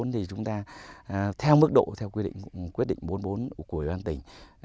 thì chúng ta theo mức độ theo quyết định bốn bốn của ủy ban tỉnh